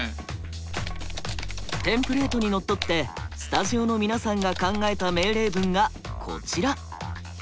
テンプレートにのっとってスタジオの皆さんが考えた命令文がこちら。